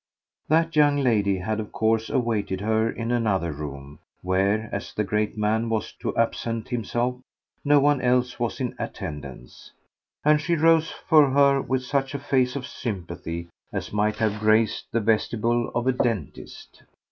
That young lady had of course awaited her in another room, where, as the great man was to absent himself, no one else was in attendance; and she rose for her with such a face of sympathy as might have graced the vestibule of a dentist.